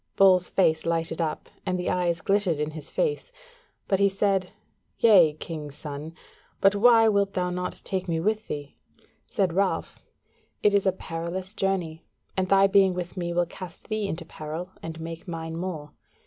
Bull's face lighted up, and the eyes glittered in his face; but he said: "Yea, king's son, but why wilt thou not take me with thee?" Said Ralph: "It is a perilous journey, and thy being with me will cast thee into peril and make mine more.